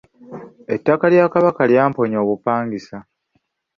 Ettaka Lya Kabaka lyamponya obupangisa.